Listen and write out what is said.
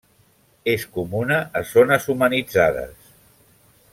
És comuna a zones humanitzades.